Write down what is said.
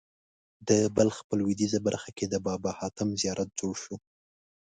د بلخ په لوېدیځه برخه کې د بابا حاتم زیارت جوړ شو.